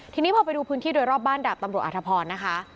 ทีนี้พอไปดูพื้นที่โดยรอบบ้านดาบตำรวจอธพรนะคะ